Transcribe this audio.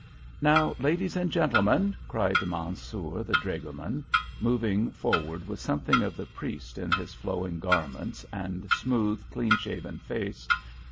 "Now, ladies and gentlemen!" cried Mansoor, the dragoman, moving forward with something of the priest in his flowing garments and smooth, clean shaven face.